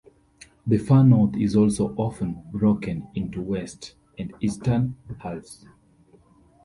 The far north is also often broken into west and eastern halves.